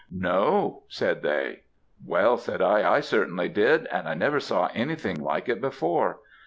"'No,' said they. "'Well,' said I, 'I certainly did, and I never saw anything like it before.